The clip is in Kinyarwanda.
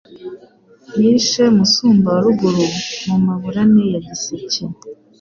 yishe Musumba wa Ruguru Mu maburane ya Giseke